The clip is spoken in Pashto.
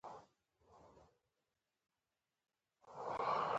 ـ تميز که غواړئ تل به ژاړئ.